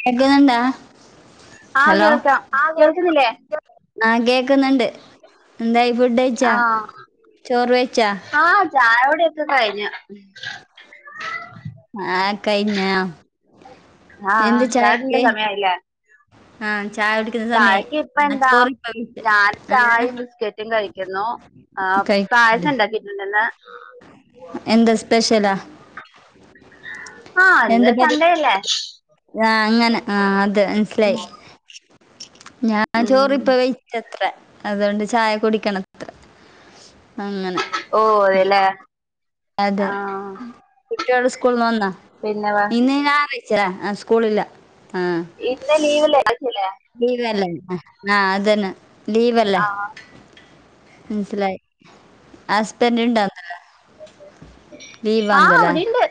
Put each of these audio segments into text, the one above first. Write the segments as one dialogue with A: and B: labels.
A: കേക്ക്ന്ന്ണ്ടാ
B: ആഹ്‌ കേൾക്കാം കേൾക്ക്ന്നില്ലേ
A: ആഹ് കേക്ക്ന്ന്ണ്ട് എന്തായി ഫുഡയിച്ചാ ചോറ് കയ്ച്ചാ
B: ചായുടി ഒക്കെ കഴിഞ്ഞു
A: ആഹ് കഴിഞ്ഞോ
B: ആഹ് ആഹ് ചായുടിന്റെ സമയായില്ലേ
A: ആഹ് ചായുടി
B: ചായക്ക് ഇപ്പെന്താ ഞാൻ
A: ആ
B: ചായിം ബിസ്കറ്റും കഴിക്കുന്നു ആഹ്
A: കഴിക്കുന്നുണ്ട്
B: പായസംണ്ടാക്കിട്ട്ണ്ട് ഇന്ന്
A: എന്താ സ്പെഷലാ
B: ആഹ് ഇന്ന് സൺഡേ അല്ലേ
A: ആഹ് അങ്ങനെ ആഹ്‌ അത്
B: ഉം
A: മൻസ്സിലായി ഞാൻ
B: ഉം
A: ചോറിപ്പം കയ്ച്ച ത്രേ അതോണ്ട് ചായകുടിക്കണം ത്രേ അങ്ങനെ
B: ഓഹ് അതെലേ
A: അതെ കുട്ട്യാള് സ്കൂൾന്ന് വന്നാ
B: പിന്നെ വേ
A: ഇന്ന് ഞാറ് ചലെ ആഹ് സ്കൂളില്ല
B: ഇന്ന് ലീവില്ലെ [unintelligible]
A: ലീവല്ലെ ആഹ്‌ അതെന്നെ ലീവല്ലെ
B: ആഹ്
A: മൻസ്സിലായി ഹസ്ബന്റ്ണ്ടോ
B: ആഹ്
A: ലീവാന്നല്ലേ
B: ഇവിടിണ്ട്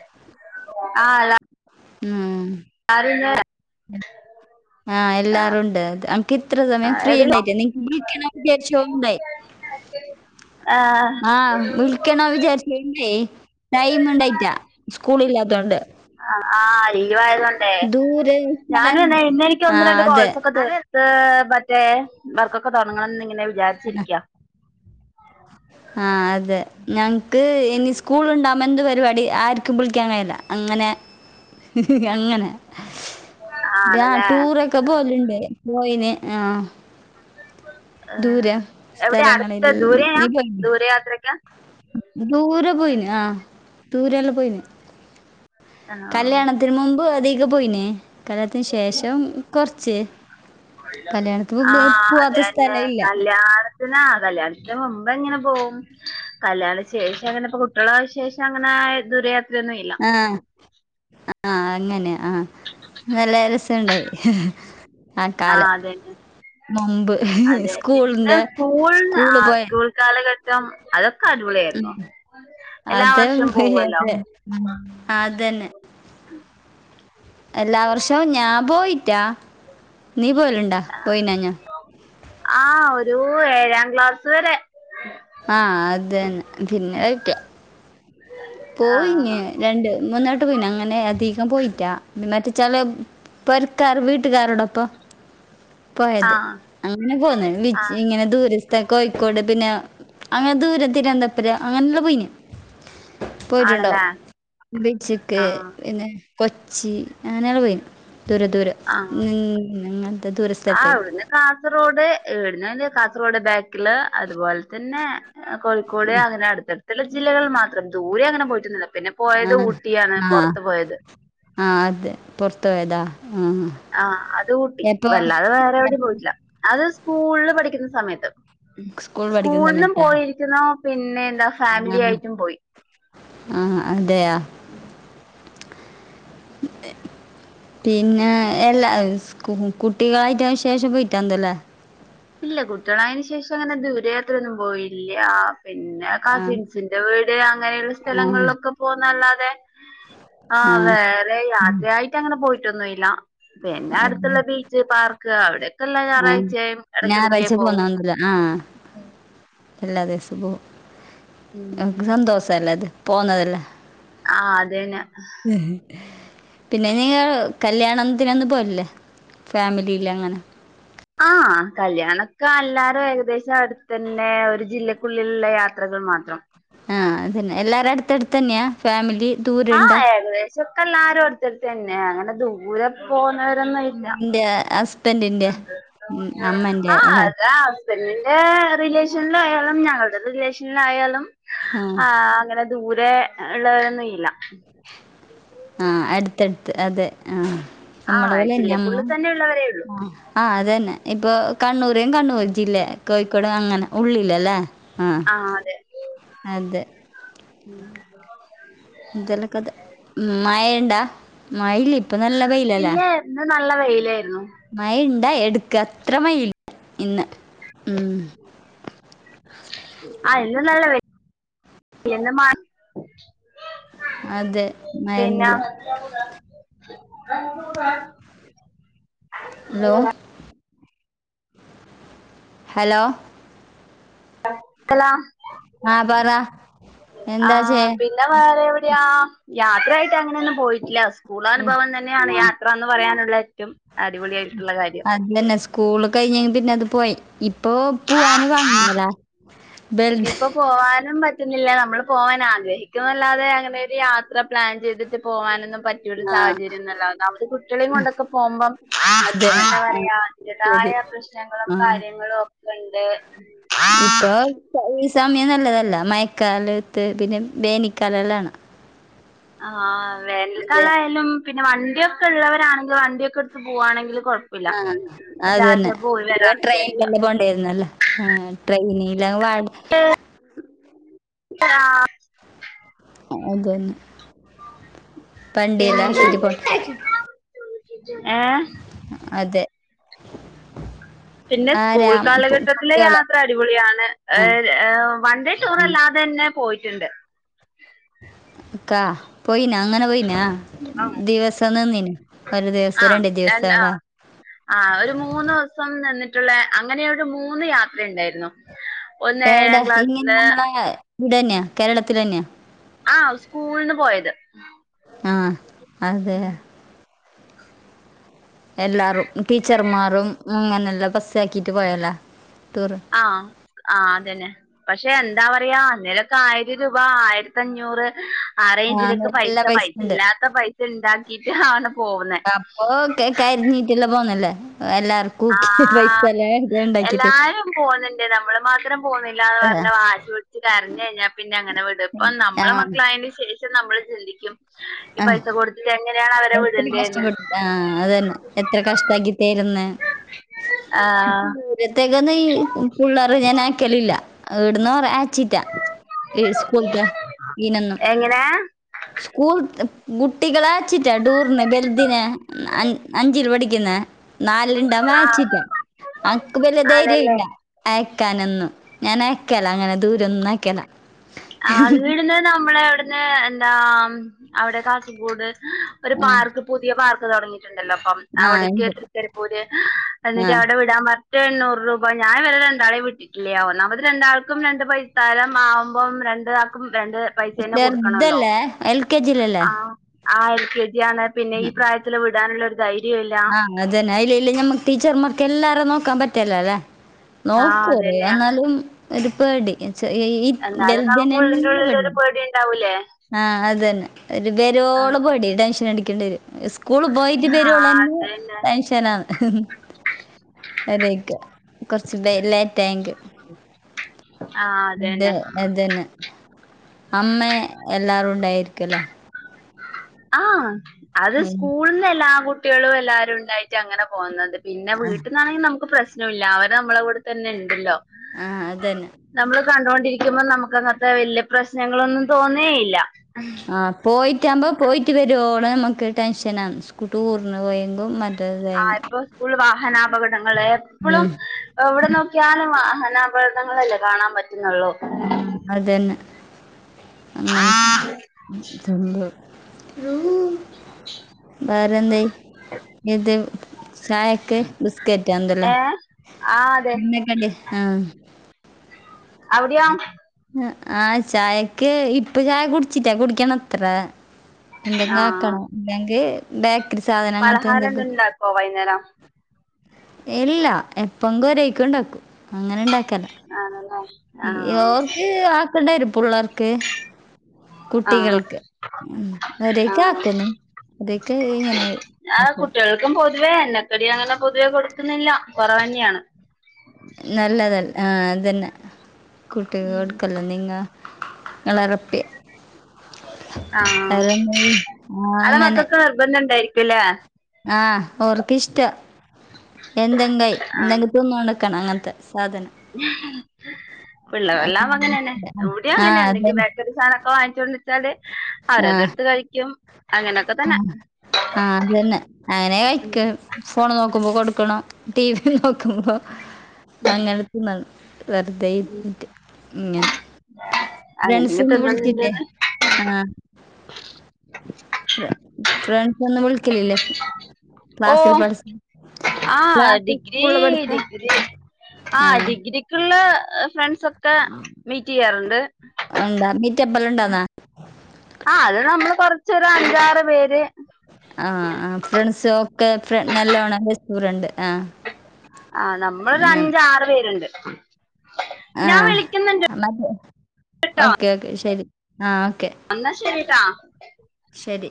B: ആഹ് അതാ
A: ഉം
B: ആരും ഇല്ലേ
A: ആഹ് എല്ലാരുണ്ട് അൻക്ക്ത്ര
B: ആ
A: സമയം ഫ്രീ
B: എവിടെല്ലോ
A: ഉണ്ടായിറ്റെ നിക്ക് വിൾക്കണെ വിചാരിച്ചു [unintelligible]
B: പിന്നെ ആര്ക്ക് ആഹ്
A: ആഹ് വിളിക്കണോ വിചാര് പിന്നെ ടൈംണ്ടായിറ്റാ സ്കൂളില്ലാത്തോണ്ട്
B: ആഹ് ആഹ് ലീവാ ആയതൊണ്ടേ
A: ദൂരെ
B: ഞാൻ
A: സ്ഥലം
B: ഇന്ന് ഇന്ന് എനിക്ക്
A: ആ
B: ഒന്ന് രണ്ട്
A: അതെ
B: കോൾസൊക്കെ തീർ ത്ത് മറ്റേ വർക്കൊക്കെ തോടങ്ങണംന്ന് ഇങ്ങനെ വിജാരിച്ചിരിക്ക്യാ
A: ആഹ് അതെ ഞങ്ങക്ക് ഇനി സ്കൂളു ഉണ്ടാകുമ്പൊ എന്ത് പരിപാടി ആർക്കും വിളിക്കാൻ കഴിയില്ല അങ്ങനെ
B: [unintelligible]
A: അങ്ങനെ
B: ആണല്ലേ
A: ക്കെ പോകലുണ്ട് പോയിന് ആഹ്
B: എഹ് എവിടെയാ അടുത്ത്
A: സ്ഥലങ്ങളിൽ
B: ദൂരെയാ
A: നീ പോയിന്
B: ദൂരെ യാത്രക്കാ
A: ദൂരെ പോയീന് ആഹ് ദൂരെല്ലാം പോയിന്
B: ആ
A: കല്യാണത്തി ന് മുമ്പ് അധികെ പോയീന് കല്ലിയാണത്തിന് ശേഷം കൊറച്ച്
B: ആഹ് അതന്നെ
A: സ്ഥലമില്ല
B: കല്യാണ ത്തിനാ കല്യാണത്തിന് മുമ്പ് എങ്ങനെ പോകും കല്യാണ ശേഷം അങ്ങനെ ഇപ്പ കുട്ടിയളായ ശേഷം അങ്ങനെ ദൂരയാത്രയൊന്നും ഇല്ല
A: ആഹ് ആഹ് അങ്ങനെ ആഹ് നല്ല രസണ്ടായി
B: ആഹ് അത് ന്നാ
A: മുമ്പ്
B: അതെ പിന്നെ
A: സ്കൂളിൻ്റെ
B: സ്കൂൾ
A: സ്കൂളിൽ പോയ
B: [inaudible] കാലഘട്ടം അതൊക്ക
A: ഉം,
B: അടിപൊളിയായിരുന്നു എല്ലാ വർഷം പോവോല്ലൊ
A: ഉം അതന്നെ എല്ലാ വർഷവും ഞാൻ പോയിറ്റാ നീ പോകലുണ്ടാ പോയിനാഞ്ഞാ
B: ആഹ് ഒരു ഏഴാം ക്ലാസ്സ്‌ വരെ
A: ആഹ് അത് ന്നെ പിന്നെ വെയ്ക്ക പോയിന്
B: ആഹ്
A: രണ്ട് മൂന്നട്ടം പോയിന് അങ്ങനെ അധികം പോയിറ്റാ മഇന്ന റ്റെച്ചാല് പൊരക്കാര് വീട്ടുകാരോടൊപ്പ പോയത്
B: ആഹ്
A: അങ്ങനെ പോന്നേ വിച്ച്
B: ആഹ്
A: ഇങ്ങനെ ദൂരസ്ഥ കോഴിക്കോട് പിന്നാ അങ്ങനെ ദൂരം തിരുവനന്തപുര അങ്ങനെള്ളു പോയീന് പോയിട്ടുണ്ടാവും
B: ആണല്ലേ
A: ബീച്ച്ക്ക്
B: ആഹ്
A: പിന്നെ കൊച്ചി അങ്ങനെങ്ങൾ പോയിന്ന് ദൂരെ ദൂരെങ്
B: ആഹ്
A: നത്തെ ദൂരസ്
B: ആഹ്. ഇവിടുന്ന് കാസർഗോഡ് ഇവിടുന്ന് കാസർഗോഡ് ബാക്കില് അതുപോലെ തന്നെ കോഴിക്കോട് അങ്ങനെ അടുത്തടുത്തുള്ള ജില്ലകളിൽ മാത്രം ദൂരെ അങ്ങനെ പോയിട്ടുന്നില്ല പിന്നെ പോയത് ഊട്ടിയാണ് പൊറത്ത് പോയത്
A: ആഹ് അതെ പൊറത്ത് പോയതാ ആഹ്
B: ആഹ് അത് ഊട്ടി വല്ലാതെ വേറെ എവിടേം പോയിട്ടില്ല അത് സ്കൂളില് പഠിക്കുന്ന സമയത്ത്
A: സ്കൂൾ പഠിക്കുന്ന
B: സ്കൂൾന്നും പോയി ക്കുന്നോ പിന്നെ എന്താ ഫാമിലി
A: അങ്ങനെ
B: ആയിട്ടും പോയി
A: ആഹ് അതെയാ [inaudible] പിന്നെ എല്ലാ ഇസ്‌ക് കുട്ടികളായിട്ടനെ ശേഷം പോയിട്ടാന്നുല്ലേ
B: ഇല്ല കുട്ടികളായന് ശേഷം അങ്ങനെ ദൂരയാത്രൊന്നും പോയില്ല പിന്ന
A: ആ
B: കസിൻസിന്റെ വീട് അങ്ങനെയുള്ള
A: ആ
B: സ്ഥലങ്ങളിലൊക്കെ പോകുന്നല്ലാതെ ആ വേറെ
A: ഉം.
B: യാത്രയായിട്ട് അങ്ങനെ പോയിട്ടൊന്നുംഇല്ല പിന്നെ
A: അതെ
B: അടുത്തുള്ള ബീച്ച് പാർക്ക് അവിടെയൊക്കെ എല്ലാം ഞായറാഴ് ച്ചയും
A: ഞായറാഴ്ച്ച പോന്നന്ല്ല ആഹ് എല്ലാ ദിവസവും പോകും
B: ഉം
A: ഞമ്മക്ക് സന്തോസ ല്ലെ അത് പോന്നതല്ലേ
B: ആഹ് അ തന്ന
A: ഉ ഹും പിന്നെനിങ്ങൾ കല്യാണത്തിനൊന്നും പോകലില്ലേ ഫാമിലീൽലങ്ങന
B: ആഹ് കല്യാണൊക്കെ എല്ലാരും ഏകദേശം അടുത്തന്നെ ഒരു ജില്ലക്കുള്ളിലുള്ള യാത്രകൾ മാത്രം
A: ആഹ് അതന്നെ എല്ലാരേം അടുത്ത ടുത്തന്നെയാ ഫാമിലി ദൂരണ്ട
B: കൊറച്ചോക്കെ എല്ലാരും അടുത്തടുത്ത് തന്നെ അങ്ങനെ ദൂരെ പോന്നവരന്നോയ് ഇല്ല
A: ന്റെ ഹസ്ബൻഡിന്റെ ഉം അമ്മന്റെ അല്ല
B: ആഹ് അത പെണ്ണിന്റെ റിലേഷനിലായാലും ഞങ്ങളുടെ റിലേഷനിലായാലും
A: ആഹ്
B: ആ അങ്ങനെ ദൂരെ ഉള്ളവരൊ ഒന്നും ഇല്ല
A: ആ അടുത്തടുത്ത് അതെ ആ നമ്മള
B: ആഹ്
A: പോലെന്നെ അമ്മ
B: ജില്ലക്കുള്ളിൽ തന്നെ ഉള്ളവരേ ഉള്ളൂ
A: ആ ആ അതന്നെ ഇപ്പൊ കണ്ണൂരും കണ്ണൂർ ജില്ല കോഴിക്കോട അങ്ങനെ ഉള്ളിലല്ലേ ആഹ്
B: ആ അതെ
A: അതെ ഇന്തലക്കെ അത് മഴ ഇണ്ടാ മഴല്ല ഇപ്പ നല്ല വയ്ലല്ലേ
B: എന്ന് നല്ല വെയിലായിരുന്നു
A: മഴ ഇണ്ട എടുക്ക അത്ര മഴയില്ല ഇന്ന് ഉം
B: ആ ഇന്ന് നല്ല വെയിൽ ഇന്ന് മഴ
A: അതെ
B: പിന്നെ
A: മഴയൊന്നുല്ല ഹലോ ഹലോ
B: ഹലോ
A: ആഹ പറ എന്താ
B: ആഹ്
A: ചെയേ
B: പിന്നെ വേറെ എവിടെയാ യാത്ര ആയിട്ട് അങ്ങനെ ഒന്നും പോയിട്ടില്ല സ്കൂളാനുഭവം തന്നെയാണ്
A: ആഹ്
B: യാത്ര എന്ന് പറയാനുള്ള ഏറ്റവും അടിപൊളിയ ആയിട്ടുള്ള കാര്യം
A: അത് തന്നെ സ്കൂള് കഴിഞ്ഞെങ്കി പിന്നെ അത് പോയി ഇപ്പൊ പോവാന് കാണില്ലല്ല
B: ഇപ്പൊ പോകാനും പറ്റുന്നില്ല നമ്മൾ പോകൻ ആഗ്രഹിക്കുന്നല്ലാതെ അങ്ങനെ ഒരു യാത്ര പ്ലാൻ ചെയ്തിട് പോകാനൊന്നും പറ്റിയൊരു
A: ആ
B: സാഹചര്യംന്നല്ല ഒന്നാമത് കുട്ടികളെയും കൊണ്ടൊക്കെ പോകുമ്പം
A: അതെ
B: എന്താ
A: ആ
B: പറയാ
A: ശരി
B: അതിന്റെതായ പ്രശ്നങ്ങളും
A: ആ
B: കാര്യങ്ങളും ഒക്കെണ്ട്
A: ഇപ്പൊ ഈ സമയം നല്ലതല്ല മയക്കാലത്ത് പിന്നെ വേനിക്കാല എല്ലാണ്
B: ആഹ് വേനൽക്കാല
A: അതെ
B: ആയാലും പിന്നെ വണ്ടിയൊ വണ്ടി ഉള്ളവരാണെങ്കിൽ വണ്ടിയൊക്കെ എടുത്ത് പോവാണെങ്കിൽ കുഴപ്പമില്ല അത്യാവശ്യ പോയി വരാ
A: ട്രെയിനിൽ തന്നെ പോകേണ്ടായിരുന്നല്ലോ ട്രെയിനില്
B: ആഹ്‌
A: ആ അതന്നെ വണ്ടി എല്ലാ
B: പിന്നെ
A: ശരി പോ
B: ഏ
A: അതെ
B: പിന്നെ സ്കൂൾ
A: ആരാ കു-
B: കാലഘട്ടത്തിലെ
A: കുട്ടികളോ
B: യാത്ര അടിപൊളിയാണ്
A: ആ
B: വൺ ഡേ ടൂർ
A: ആ
B: അല്ലാത്ത തന്നെ പോയിട്ടുണ്ട്.
A: അക്കാ പോയിനാ അങ്ങനെ പോയിനാ? ദിവസം നിന്ന്ന്ഒരു
B: ആ
A: ദിവസം രണ്ടു
B: രണ്ട് ആ
A: ദിവസങ്ങളാ
B: ആ ഒരു മൂന്ന് ദിവസം നിന്നിട്ടുള്ള അങ്ങനെയൊരു മൂന്ന് യാത്ര ഉണ്ടായിരുന്നു [inaudible]
A: ഏടാ ഇങ്ങനെ നമ്മളെ ഇവിടെന്നെയാ കേരളത്തി തന്നെയ
B: ആഹ് സ്കൂള്ന്ന് പോയത്
A: ആഹ് അതെ
B: ഉം
A: എല്ലാവരും ടീച്ചർമാരും അങ്ങനെ എല്ലാം ബസ്സാക്കിയിട്ട് പോയല്ലേ ടൂറ്
B: ആഹ്‌ ആ അതന്നെ പക്ഷെ എന്താ പറയാ അന്നേരൊക്കെ ആയിരം രൂപ ആയിരത്തി അഞ്ഞൂറ് ആ റേഞ്ചിലൊക്കെ പൈസ പൈസ ഇല്ലാത്ത പൈസ ഉണ്ടാക്കിട്ട് ആണ് പോവുന്നേ
A: അപ്പൊ ക കരിഞ്ഞീട്ടല്ല പോന്നല്ലേ എല്ലാർക്കും
B: ആ എല്ലാരും പോന്നുണ്ട് നമ്മള് മാത്രം പോവുന്നില്ലന്ന്
A: ആ
B: പറഞ്ഞ വാശി കരഞ്ഞ കഴിഞ്ഞാൽ പിന്നെ അങ്ങനെ വിടും ഇപ്പ
A: ആ
B: നമ്മള് മക്കളായതിന് ശേഷം നമ്മള് ചിന്തിക്കും ഈ
A: ആഹ്‌
B: പൈസ കൊടുത്തിട്ട് എങ്ങനെയാണ് അവരെ വിടണ്ടേന്ന്
A: എത്ര [unintelligible] ആ അതന്നെ എത്ര കഷ്ടാകിട്ടയിരുന്ന്
B: ആഹ്
A: ഇഴത്തേക്കൊന്നും ഈ പിള്ളേർ ഞാൻ ആക്കലില്ല വിടന്ന് ആച്ചിറ്റാ ഈ സ്കൂൾത്തെ ഇനൊന്നും.
B: എങ്ങനെ
A: സ്കൂൾ ഗുട്ടികളാച്ച്ട്ടാ ടൂറിന് ബെൽദിനെ ന അ അഞ്ചിൽ പഠിക്ക്ന്നെ ‌ നാലിണ്ടൊ
B: ആഹ്
A: [unintelligible] അനക്ക് വല്യ ധൈര്യ ഇല്ല.
B: ആണല്ലേ
A: അയ്ക്കാനൊന്നും ഞാൻ അയ്ക്കെല അങ്ങനെ ദൂരൊന്നും അയ്ക്കെല.
B: അവിട്ന്ന് നമ്മളെ അവ്ട്ന്ന് എന്താ അവ്ടെ കാസർഗോഡ് ഒര്
A: ആഹ്
B: പാർക്ക് പുതിയ പാർക്ക് തൊടങ്ങി. ട്ട്ണ്ടല്ലോപ്പം
A: ആഹ്
B: അവ്ടേക്ക്
A: ഇണ്ട്.
B: തൃക്കരിപൂര് എന്നിട്ട്
A: ആഹ്
B: അവ്ടെ വിടാൻ പ ര് എണ്ണൂറ് രൂപ ഞാൻ ഇവരെ രണ്ടാളെ വിട്ട്ട്ടില്ല്യ ഒന്നാമത് രണ്ടാൾക്കും രണ്ട് പൈത്താരം ആവും. പ്പം രണ്ട് ആക്കും രണ്ട് പൈസ തന്നെ കൊടുക്കണല്ലോ?
A: ചെറുതല്ലേ? L K ജിയിലല്ലേ?
B: ആഹ് ആ ശെരിയാണ് പിന്നെ ഈ പ്രായത്തില് വിടാന്ള്ള ഒര് ധൈര്യേംല്ല
A: ആഹ് അതന്നെ ഇല്ല ഇല്ല ഞമ്മക്ക് ടീച്ചർമാർക്ക് എല്ലാരേം നോക്കാൻ പറ്റില്ലലേ.
B: ആഹ്
A: നോക്ക്വൊ ‌അവര്
B: അതന്നെയാ
A: എന്നാലും ഒര്പേടി എന്ന്ച്ച ഈ ഈ ബെൽതിനന്നെ [unintelligible]
B: പേടിണ്ടാവൂലേ?
A: ആ അതന്നെ ഓര് ബെരോളം പേടിയാ ടെൻഷനടക്കണ്ടിവരും. സ്കൂള് പോയിട്ട്
B: ആഹ്
A: വര്വൊള്ളന്നെ
B: അതന്നെ
A: ടെൻഷനാണ്. അതൊയ്ക്ക കൊറച്ച് ബെ ലെറ്റായങ്കി.
B: ആഹ്
A: മുഡേ
B: അതന്നെ
A: അതന്നെ. അമ്മേ എല്ലാരും ഉണ്ടായിരിക്കലേ?
B: ആഹ് അത്
A: ഉം
B: സ്കൂളിന്ന് എല്ലാ കുട്ടികളും എല്ലാരുംണ്ടായിട്ട് അങ്ങനെ പോന്നത്. പിന്നെ വീട്ട്ന്നാണെങ്കി നമുക്ക് പ്രശ്നം ഇല്ല അവര് നമ്മളെ കൂടെ തന്നെണ്ടല്ലോ?
A: ആഹ് അതന്നെ.
B: നമ്മള് കണ്ടൊണ്ടിരിക്ക്‌മ്പം നമക്ക് അങ്ങത്തെ വല്യ പ്രശ്നങ്ങളൊന്നും തോന്നേയില്ല.
A: ആഹ് പോയിട്ടാമ്പോ പോയിട്ട് വരുവോളം ഞമക്ക് ടെൻഷനാണ് സ്കൂ ട്ടൂറിന് പോയി [unintelligible] മറ്റ
B: ആ ഇപ്പോ സ്കൂളില് വാഹനാപകടങ്ങള് എപ്പളും
A: ഉം
B: എവ്ടെ നോക്കിയാലും വാഹനാപകടണങ്ങളല്ലേ കാണാൻ പറ്റുന്നൊള്ളൂ?
A: ഉം അതന്നെ അങ്ങനെ
B: ഏഹ്
A: തു [unintelligible] [inaudible]
B: [inaudible]
A: വറെഎന്തയ് ഇത് ചായക്ക് ബിസ്കറ്റ് എന്തെല്ലാം?
B: ആഹ് അതെ
A: എണ്ണക്കടിയാ ആഹ്
B: അവിടെയോ
A: ആഹ് ചായക്ക് ഇപ്പൊ ചായ കുടിച്ചിട്ടാ കുടിക്കണം അത്ര. എന്തെങ്കും
B: ആഹ്
A: ആക്കണം എന്തെങ്കി ബേക്കറി സാധനം അങ്ങനത്തെ എന്തെങ്കും.
B: ഓ വൈന്നേരം.
A: ഇല്ല എപ്പങ്കും ഒരേക്കും ണ്ടാക്കും അങ്ങനെണ്ടാക്കലാ.
B: ആണ്ലെ
A: യൊർക്ക് ആക്കണ്ടവരും പുള്ളാർക്ക്.
B: ആഹ്
A: കുട്ടികൾക്ക് ഉം
B: ആഹ്
A: അവരെക്കെക്കുന്ന്. ഇദിക്ക്‌ ഇങ്ങനെ
B: ആ
A: [unintelligible]
B: കുട്ടികൾക്കും പൊതുവേ എണ്ണക്കടി അങ്ങനെ പൊതുവെ കൊട്ക്ക്‌ന്നില്ല കൊറവന്നെയാണ്
A: നല്ലതല്ല ആഹ് അതന്നെ
B: ഉം
A: കുട്ടികൾക്കല്ല നിങ്ങ ങ്ങളറപ്പി
B: ആഹ്
A: അതന്നെയ്. അങ്ങനെ
B: ഇതന്നെണ്ടായ്രിക്കല്ലേ
A: ആഹ് ഓർക്ക് ഇഷ്ട്ടം എന്തെങ്കായ് [unintelligible] തിന്നോണ്ട്ക്ക്ണ അങ്ങനത്തെ സാധനം.
B: [inaudible] പിള്ളവെല്ലാം അങ്ങനെ തന്നെ ഇവ്ടെം
A: ആ
B: അങ്ങനെ എന്തെങ്കിലും
A: അതന്നെ
B: ബേക്കറി സാനംഒക്കെ വാങ്ങിച്ച് വച്ചാല്
A: ആ
B: അവരതട്ത്ത് കഴിക്ക്യും അങ്ങനക്ക തന്ന
A: ആഹ് ത് അന്നെ അങ്ങനെ കഴിക്ക ഫോണ് നോക്കുമ്പോ കൊട്കണം ടിവി നോക്കുമ്പോ അങ്ങനെ തിന്നൺ വെറ്തെ ഇരുതീറ്റ് ഇങ്ങൻ
B: അങ്ങനെങ്ങ്
A: രൺസ്ന്ന് വിൾച്ചില്ലേ
B: തിന്നുന്നുണ്ട്ന്ന്
A: ആഹ് ഫ്രണ്ട് ഫ്രിണ്ട്സ്ന്നും വിൾക്കലില്ലേ
B: ഓ
A: ക്ലാസിൽ പഠിസ
B: ആഹ് ഡിഗ്രീ ഡിഗ്രി
A: ആ
B: ആഹ് ഡിഗ്രി ക്ക്ള്ള ഫ്രണ്ട്സോക്കെ മീറ്റിയ്യാറുണ്ട്
A: അന്താ മീറ്റപ്പള് ഉണ്ടാന്നാ
B: ആഹ് അത് നമ്മൾ കൊറച്ചൊര് അഞ്ചാറ് പേര്
A: ആഹ് ആഹ് ഫ്രൺസ് ഒക്കെ ഫ്രൺ നല്ലോണം ബെസ്റ്റ് ഫ്രണ്ട് ആഹ്
B: ആഹ് നമ്മളൊരു അഞ്ച ആറ് പേര്ണ്ട്
A: ആഹ് ന്ന ഓക്കേ ഓക്കേ ശരി ആഹ് ഓക്കെ
B: അന്നാ ശരിട്ടാ
A: ശരി